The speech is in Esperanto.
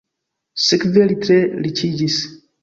Sekve li tre riĉiĝis.